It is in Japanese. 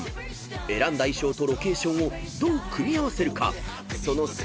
［選んだ衣装とロケーションをどう組み合わせるかそのセンスが問われる］